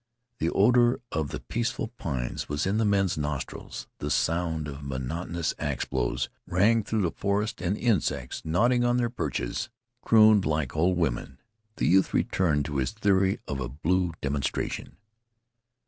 The odor of the peaceful pines was in the men's nostrils. The sound of monotonous axe blows rang through the forest, and the insects, nodding upon their perches, crooned like old women. The youth returned to his theory of a blue demonstration.